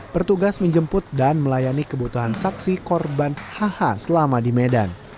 bertugas menjemput dan melayani kebutuhan saksi korban hh selama di medan